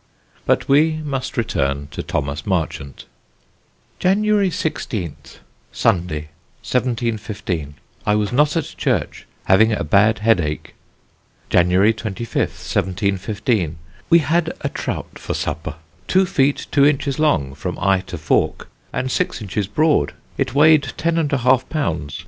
But we must return to Thomas Marchant: "January 16th (Sunday) 1715. I was not at church having a bad headache. "January 25th, 1715. We had a trout for supper, two feet two inches long from eye to fork, and six inches broad; it weighed ten and a half pounds.